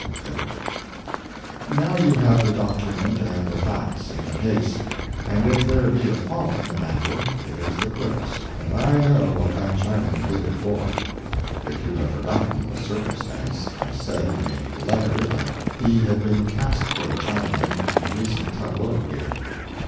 —ED.] Now you have the document and the facts in the case; and if there be a fault in the matter it is the Clerk's, and I know what that Chinaman did it for. [If you have forgotten the circumstance, I said in a letter that he had been cast for a Chinaman in the recent tableaux here.